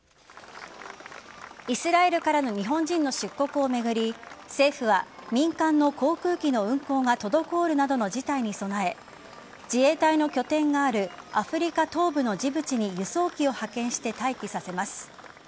イスラエルからの日本人の出国を巡り政府は民間の航空機の運航が滞るなどの事態に備え自衛隊の拠点があるアフリカ東部のジブチに輸送機を派遣して待機させます。